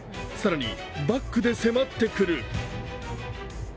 更にバックで迫ってくる。